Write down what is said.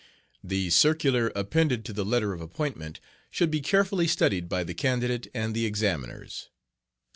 The circular appended to the letter of appointment should be carefully studied by the candidate and the examiners.